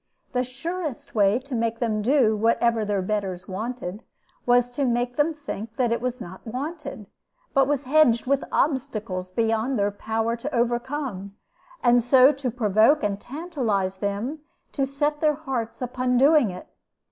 The surest way to make them do whatever their betters wanted, was to make them think that it was not wanted, but was hedged with obstacles beyond their power to overcome, and so to provoke and tantalize them to set their hearts upon doing it.